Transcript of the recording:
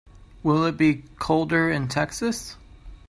Will it be colder in Texas?